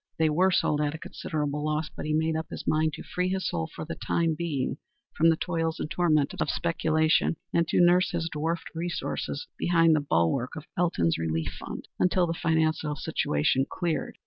They were sold at a considerable loss, but he made up his mind to free his soul for the time being from the toils and torment of speculation and to nurse his dwarfed resources behind the bulwark of Elton's relief fund until the financial situation cleared.